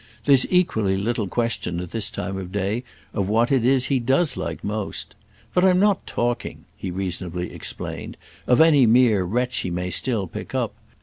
There's equally little question at this time of day of what it is he does like most. But I'm not talking," he reasonably explained, "of any mere wretch he may still pick up.